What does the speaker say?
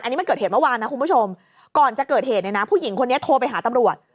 อันนี้มันเกิดเหตุเมื่อวานนะคุณผู้ชมก่อนจะเกิดเหตุเนี่ยนะผู้หญิงคนนี้โทรไปหาตำรวจ